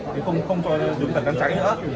thì không cho dưỡng tầng ăn cháy nữa